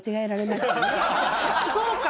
そうか！